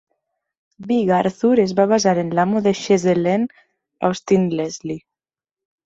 Big Arthur es va basar en l'amo de Chez Helene, Austin Leslie.